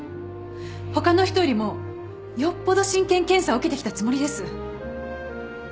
他の人よりもよっぽど真剣に検査を受けてきたつもりです。